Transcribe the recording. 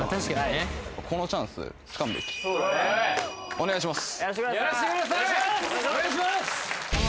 お願いします！